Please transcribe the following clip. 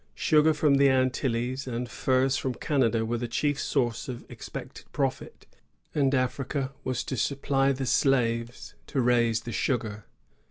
^ Sugar from the Antilles and furs from Canada were the chief source of expected profit; and Africa was to supply the slaves to raise the sugar.